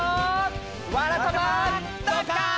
「わらたまドッカン」！